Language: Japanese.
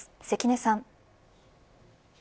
関根さん。